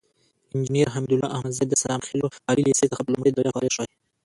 انجينر حميدالله احمدزى د سلام خيلو عالي ليسې څخه په لومړۍ درجه فارغ شوى.